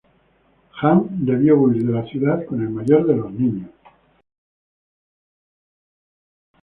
Jan debió huir de la ciudad con el mayor de los niños.